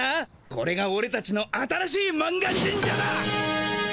これがオレたちの新しい満願神社だ！